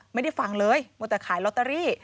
ไม่ได้ฟังเลยมัวแต่ขายลอตเตอรี่